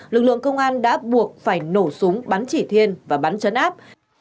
lực lượng công an đã buộc phải nổ súng bắn chỉ thiên và bắn chấn áp